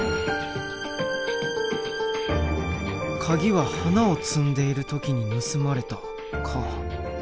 カギは花を摘んでいる時に盗まれたか。